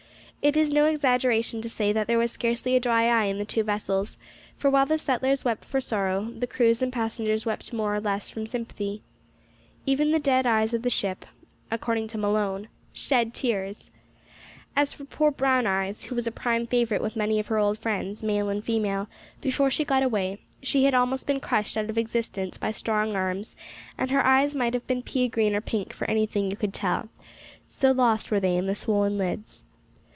It is no exaggeration to say that there was scarcely a dry eye in the two vessels; for, while the settlers wept for sorrow, the crews and passengers wept more or less from sympathy. Even the dead eyes of the ship, according to Malone, shed tears! As for poor Brown eyes, who was a prime favourite with many of her old friends, male and female, before she got away she had been almost crushed out of existence by strong arms, and her eyes might have been pea green or pink for anything you could tell, so lost were they in the swollen lids.